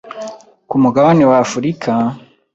Ku Mugabane wa Afurika,